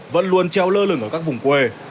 vẫn luôn treo lơ lửng ở các vùng quê